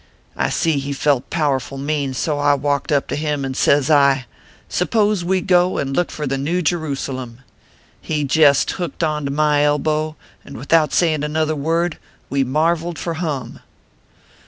I see he felt powerful mean, so I walked up to him, and sez I :( Suppose we go and look for the New Jerusalem ? He jest hooked to my elbow, and without sayin another word, we marveled for hum.